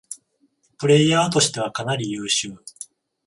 プレイヤーとしてはかなり優秀